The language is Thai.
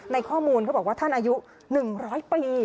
ในข้อมูลเขาบอกว่าท่านอายุ๑๐๐ปี